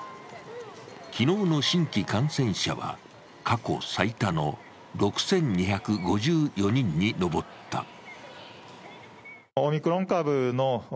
昨日の新規感染者は過去最多の６２５４人に上った。